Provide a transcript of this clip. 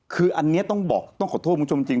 คืออันนี้ต้องบอกต้องขอโทษคุณผู้ชมจริง